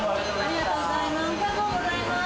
ありがとうございます。